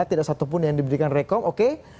tidak satupun yang diberikan rekom oke